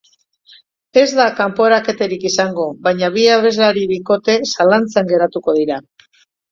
Ez da kanporaketarik izango, baina bi abeslari bikote zalantzan geratuko dira.